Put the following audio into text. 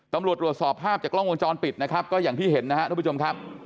ตำรวจตรวจสอบภาพจากกล้องวงจรปิดนะครับก็อย่างที่เห็นนะครับทุกผู้ชมครับ